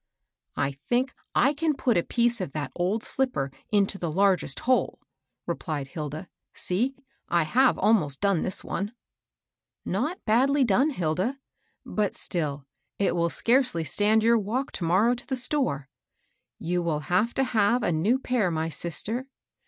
" I think I can put a piece of that old slipper into the largest hole," replied Hilda. "See, I have almost done this one." "Not badly done, Hilda; but still, it will scarcely stand your walk to morrow to the store. You will have to have a new pair, my sister."